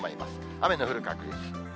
雨の降る確率。